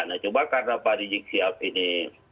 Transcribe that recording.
nah coba karena pak rizik sihab ini